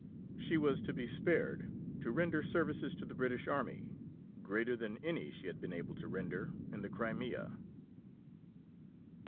She was to be spared to render services to the British Army greater than any she had been able to render in the Crimea.